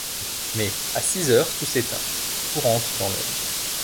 Mais à six heures tout s'éteint, tout rentre dans l'ombre.